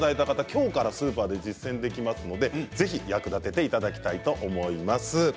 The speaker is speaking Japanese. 今日からスーパーで実践できますので役立てていただきたいと思います。